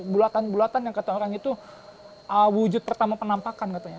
bulatan bulatan yang kata orang itu wujud pertama penampakan katanya